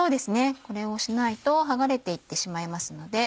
これをしないと剥がれていってしまいますので。